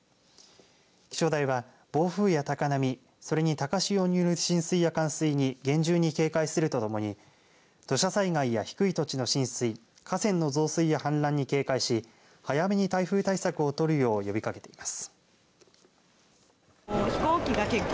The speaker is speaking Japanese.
気象台は暴風や高波それに高潮による浸水や冠水に厳重に警戒するとともに土砂災害や低い土地の浸水河川の増水や氾濫に警戒し早めに台風対策をとるよう呼びかけています。